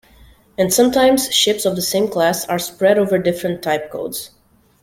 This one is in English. And sometimes, ships of the same class are spread over different Type codes.